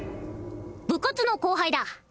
部活の後輩だ